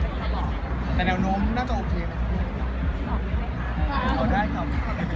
แต่แนวโน้มน่าจะโอเคไหมครับ